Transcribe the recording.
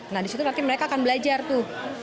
nah disitu nanti mereka akan belajar tuh